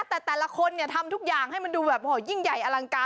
แต่แต่ละคนเนี่ยทำทุกอย่างให้มันดูแบบยิ่งใหญ่อลังการ